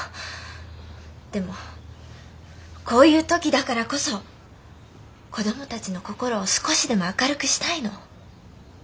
でもこういう時だからこそ子どもたちの心を少しでも明るくしたいの。